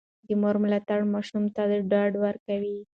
د مور ملاتړ ماشوم ته ډاډ ورکوي.